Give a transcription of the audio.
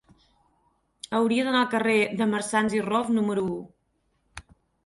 Hauria d'anar al carrer de Marsans i Rof número u.